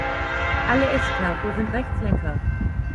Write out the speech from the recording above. Alle S-Cargo sind Rechtslenker.